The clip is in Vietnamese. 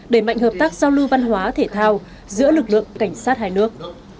đẩy mạnh hợp tác giao lưu văn hóa thể thao giữa lực lượng cảnh sát hai nước